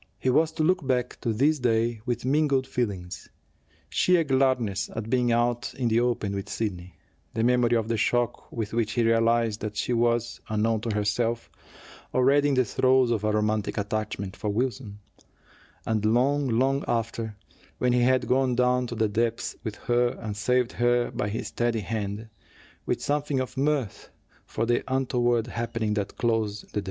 He was to look back to this day with mingled feelings: sheer gladness at being out in the open with Sidney; the memory of the shock with which he realized that she was, unknown to herself, already in the throes of a romantic attachment for Wilson; and, long, long after, when he had gone down to the depths with her and saved her by his steady hand, with something of mirth for the untoward happening that closed the day.